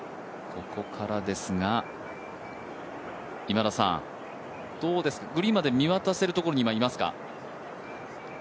ここからですが、今田さんどうですか、グリーンまで見渡せるところに今いますか？